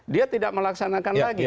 dia tidak melaksanakan lagi